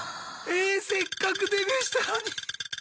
えせっかくデビューしたのに。